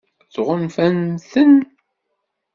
Tɣunfam-ten?